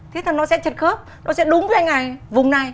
thế thì nó sẽ trật khớp nó sẽ đúng với anh này vùng này